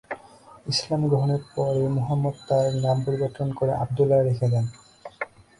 ইসলাম গ্রহণের পরে মুহাম্মাদ তার নাম পরিবর্তন করে আবদুল্লাহ রেখে দেন।